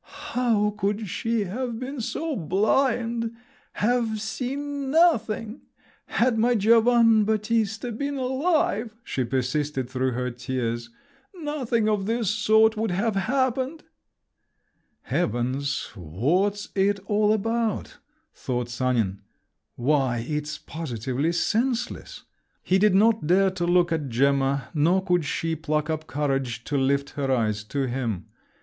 "How could she have been so blind—have seen nothing? Had my Giovann' Battista been alive," she persisted through her tears, "nothing of this sort would have happened!" "Heavens, what's it all about?" thought Sanin; "why, it's positively senseless!" He did not dare to look at Gemma, nor could she pluck up courage to lift her eyes to him.